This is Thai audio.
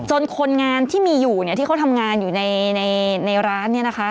จนคนงานที่มีอยู่ที่เขาทำงานอยู่ในร้านนี้นะคะ